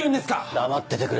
黙っててくれ。